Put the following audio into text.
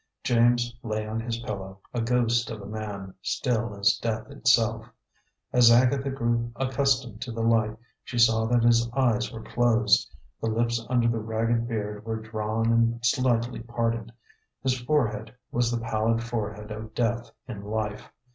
James lay on his pillow, a ghost of a man, still as death itself. As Agatha grew accustomed to the light, she saw that his eyes were closed, the lips under the ragged beard were drawn and slightly parted; his forehead was the pallid forehead of death in life.